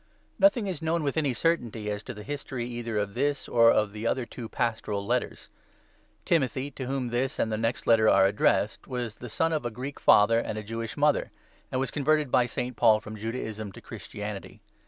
] NOTHING is known with any certainty as to the history either of this or of the other two ' Pastoral Letters.' Timothy, to whom this and the next Letter are addressed, was the son of a Greek father and a Jewish mother, and was converted by St. Paul from Judaism to Christianity.